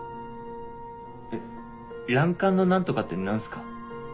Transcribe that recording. えっランカンの何とかって何すか？